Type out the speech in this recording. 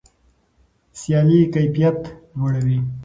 سیالي کیفیت لوړوي.